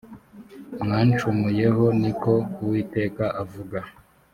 mwancumuyeho ni ko uwiteka avuga